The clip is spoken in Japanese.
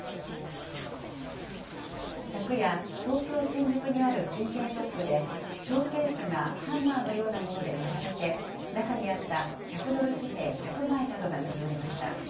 昨夜、東京・新宿にある金券ショップで、ショーケースがハンマーのようなもので割られて、中にあった１００ドル紙幣１００枚などが盗まれました。